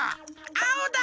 あおだ。